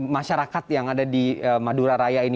masyarakat yang ada di madura raya ini